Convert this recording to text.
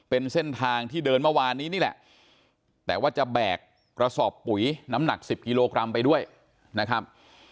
เป็นเส้นทางที่เดินเมื่อวานนี้นี่แหละแต่ว่าจะแบกกระสอบปุ๋ยน้ำหนัก๑๐กิโลกรัมไปด้วยนะครับ